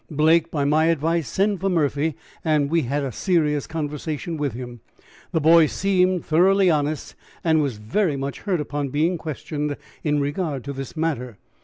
"Blake, by my advice, sent for Murphy and we had a serious conversation with him. The boy seemed thoroughly honest, and was very much hurt upon being questioned in regard to the matter.